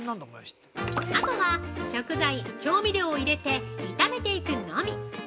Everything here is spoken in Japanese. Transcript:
◆あとは、食材、調味料を入れて炒めていくのみ！